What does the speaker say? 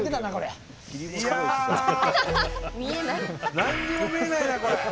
何にも見えないな、これ。